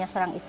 pada tahun itu